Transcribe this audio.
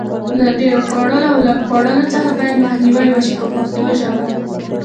له ډېر خوړلو او لږ خوړلو څخه باید مخنیوی وشي په پښتو ژبه.